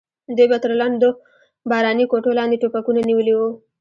دوی به تر لندو باراني کوټو لاندې ټوپکونه نیولي وو.